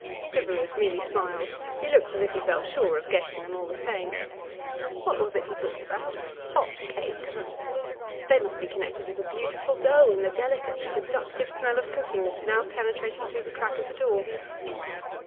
Stubberud merely smiles; he looks as if he felt sure of getting them, all the same. What was it he talked about? Hot cakes? They must be connected with the beautiful dough and the delicate, seductive smell of cooking that is now penetrating through the crack of the door.